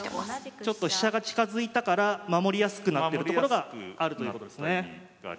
ちょっと飛車が近づいたから守りやすくなってるところがあるということですね。